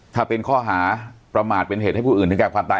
ถ้าเป็นข้อหาประมาทเป็นเหตุให้ผู้อื่นถึงแก่ความตาย